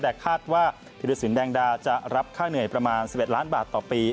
แต่คาดว่าธิรสินแดงดาจะรับค่าเหนื่อยประมาณ๑๑ล้านบาทต่อปี